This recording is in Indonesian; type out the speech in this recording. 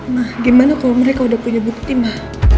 ma gimana kalau mereka udah punya bukti ma